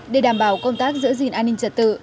để đảm bảo công tác giữ gìn an ninh trật tự